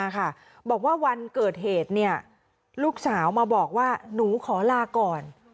ก็นิดนึงแม่นูกลับกอน